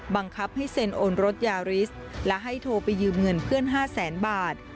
บังคับให้เซ็นโอนรถยาริสและให้โทรไปยืมเงินเพื่อน๕แสนบาท